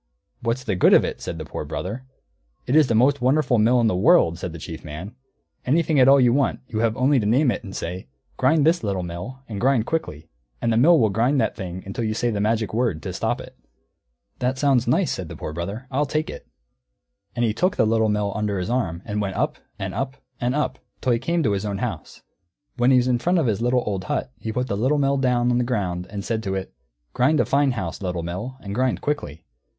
"What's the good of it?" said the Poor Brother. "It is the most wonderful mill in the world," said the Chief Man. "Anything at all that you want, you have only to name it, and say, 'Grind this, Little Mill, and grind quickly,' and the Mill will grind that thing until you say the magic word, to stop it." "That sounds nice," said the Poor Brother. "I'll take it." And he took the Little Mill under his arm, and went up, and up, and up, till he came to his own house. When he was in front of his little old hut, he put the Little Mill down on the ground and said to it, "Grind a fine house, Little Mill, and grind quickly."